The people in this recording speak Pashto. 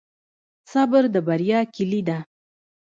صبر د بریا کیلي ده.